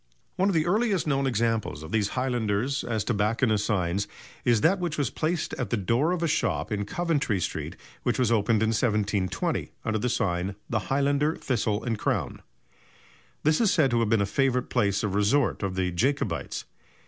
One of the earliest known examples of these highlanders as tobacconists' signs is that which was placed at the door of a shop in Coventry Street which was opened in 1720 under the sign of "The Highlander, Thistle and Crown." This is said to have been a favourite place of resort of the Jacobites.